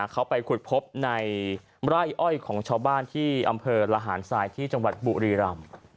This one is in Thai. เขาไปขุดพบในไร่อ้อยของชาวบ้านที่อำเภอระหารทรายที่จังหวัดบุรีรำ